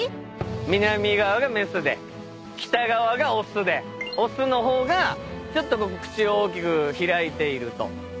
南側が雌で北側が雄で雄の方がちょっとこう口を大きく開いていると。